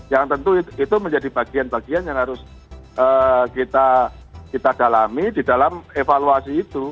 yang tentu itu menjadi bagian bagian yang harus kita dalami di dalam evaluasi itu